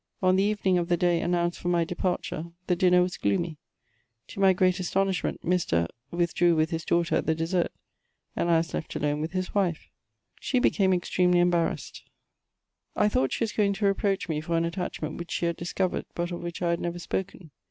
On the evening of the day announced for my departure, the dinner was gloomy. To my great asto* mshment, Mr. withdrew with his daughter at the dessert, and I was left alone with his wife. She became ex tremely embarrassed : I thought she was going to reproach me for an attachment which she had discovered, but of which I had never spoken.